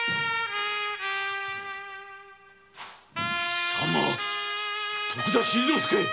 貴様徳田新之助！？